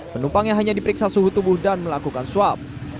penumpangnya hanya diperiksa suhu tubuh dan melakukan swab